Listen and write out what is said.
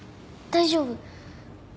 大丈夫。